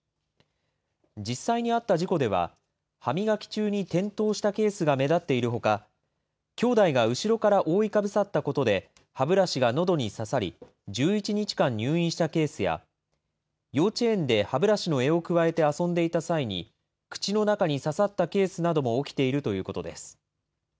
実際にあった事故では、歯磨き中に転倒したケースが目立っているほか、きょうだいが後ろから覆いかぶさったことで歯ブラシがのどに刺さり、１１日間入院したケースや、幼稚園で歯ブラシを柄をくわえて遊んでいた際に、口の中に刺さったケースなども起きているということです。